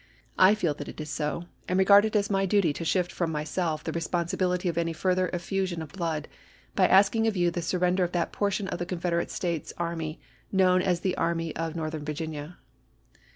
I feel that it is so, and regard it as my duty to shift from myself the respon sibility of any further effusion of blood, by asking of you the surrender of that portion of the Confederate States army known as the Army of Northern Virginia.